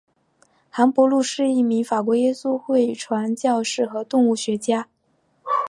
韩伯禄是一名法国耶稣会传教士和动物学家。